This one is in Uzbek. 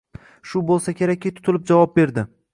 Shu bo’lsa kerakki tutilib javob berdi